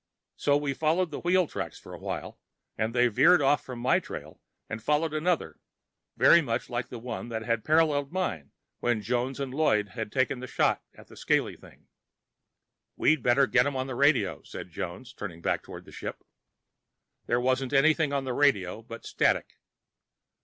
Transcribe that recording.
So we followed the wheel tracks for a while, and they veered off from my trail and followed another, very much like the one that had been paralleling mine when Jones and Lloyd had taken a shot at the scaly thing. "We'd better get them on the radio," said Jones, turning back toward the ship. There wasn't anything on the radio but static.